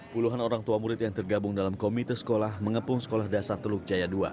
puluhan orang tua murid yang tergabung dalam komite sekolah mengepung sekolah dasar teluk jaya dua